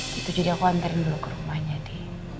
gitu jadi aku anterin dulu ke rumahnya di